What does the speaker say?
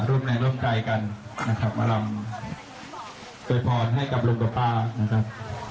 ร่วมแรงร่วมใจกันนะครับมารำโวยพรให้กับลุงกับป้านะครับ